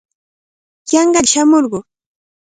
Yanqalla shamurquu.